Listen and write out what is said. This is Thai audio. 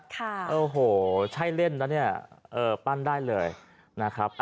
ค่ะโอ้โหใช่เล่นนะปั้นได้เลยนะครับ